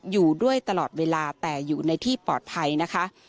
อยู่ด้วยตลอดเวลาแต่อยู่ในที่ปลอดภัยนะคะ